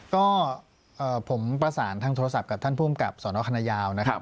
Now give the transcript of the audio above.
ก็ผมประสานทางโทรศัพท์กับท่านผู้กรรมกลับศรนอกฐานายาวนะครับ